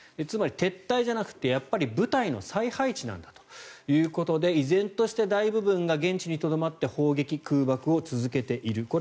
つまり撤退じゃなくて部隊の再配置なんだということで依然として大部分が現地にとどまって砲撃、空爆を続けている。